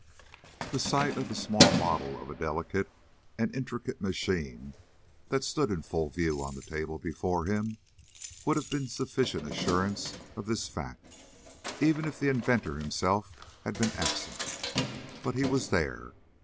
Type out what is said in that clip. The sight of the small model of a delicate and intricate machine that stood in full view on a table before him would have been sufficient assurance of this fact, even if the inventor himself had been absent. But he was there.